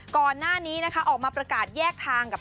ก่อนหน้านี้นะคะออกมาประกาศแยกทางกับ